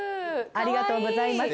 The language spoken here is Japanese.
ありがとうございます。